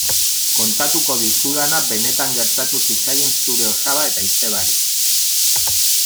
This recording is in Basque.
Kontatuko dizudana benetan gertatu zitzaien zure osaba eta izebari.